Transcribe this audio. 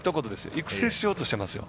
育成しようとしていますよ。